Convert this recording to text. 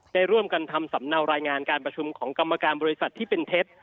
ได้ร่วมกันทำสำเนารายงานการประชุมของกรรมการบริษัทที่เป็นเท็จ